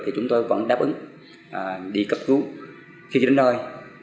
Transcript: chúng tôi vẫn đáp ứng đi cấp cứu khi đến nơi